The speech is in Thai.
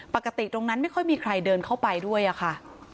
ปกติตรงนั้นไม่ค่อยมีใครเดินเข้าไปด้วยอะค่ะ